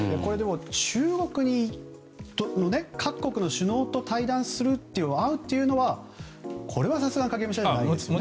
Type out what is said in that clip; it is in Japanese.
中国との、各国の首脳と対談する、会うっていうのはこれはさすがに影武者じゃないですよね。